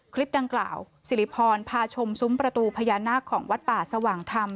คลิปดังกล่าวสิริพรพาชมซุ้มประตูพญานาคของวัดป่าสว่างธรรม